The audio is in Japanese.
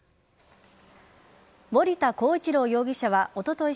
守田晃一郎容疑者はおととい